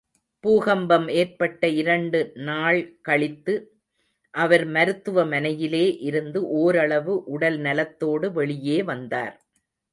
பூகம்பம் ஏற்பட்ட இரண்டு நாள் கழித்து அவர் மருத்துவ மனையிலே இருந்து ஓரளவு உடல் நலத்தோடு வெளியே வந்தார்.